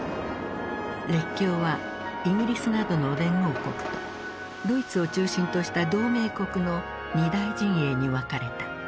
列強はイギリスなどの連合国とドイツを中心とした同盟国の２大陣営に分かれた。